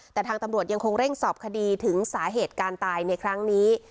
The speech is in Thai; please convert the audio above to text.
แต่ทางตำรวจยังคงเร่งสอบคดีถึงสาเหตุการตายในครั้งนี้